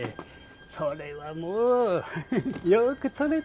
それはもうよく捕れた。